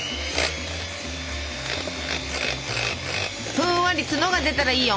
ふんわり角が出たらいいよ。